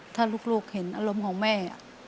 ถ้าลูกเห็นอารมณ์ของแม่